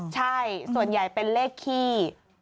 ใช่ส่วนใหญ่เป็นเลขขี้